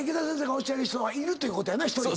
おっしゃる人はいるということやな１人。